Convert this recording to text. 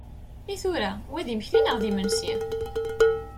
I tura, wa d imekli neɣ d imensi?